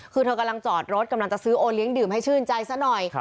คือเธอกำลังจอดรถกำลังจะซื้อโอเลี้ยดื่มให้ชื่นใจซะหน่อย